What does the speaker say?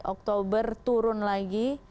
oktober turun lagi